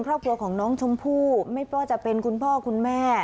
ครอบครัวของน้องชมพู่ไม่ว่าจะเป็นคุณพ่อคุณแม่